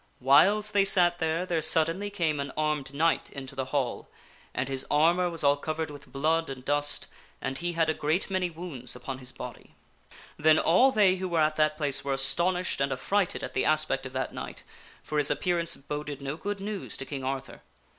Whiles they sat there, there suddenly came an armed knight into the Hall, and his armor was all covered with blood and dust, and he had a great many wounds upon his body. Then all they who were at that place were astonished and affrighted at the aspect of cometht/tL that knight, for his appearance boded no good news to King n s at Came ' Arthur.